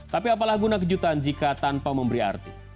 tapi apalah guna kejutan jika tanpa memberi arti